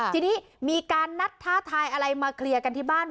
ทีนี้มีการนัดท้าทายอะไรมาเคลียร์กันที่บ้าน